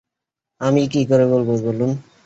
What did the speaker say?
আমি কী করে বলব বলুন।